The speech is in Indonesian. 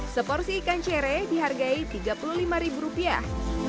seporsi ikan cere dihargai tiga puluh lima ribu rupiah